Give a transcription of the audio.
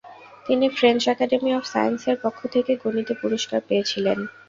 তিনি French Academy of সায়েন্সের পক্ষ থেকে গণিতে পুরস্কার পেয়েছিলেন।